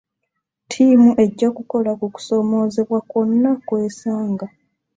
Ttiimu ejja kukola ku kusoomoozebwa kwonna kw'esanga.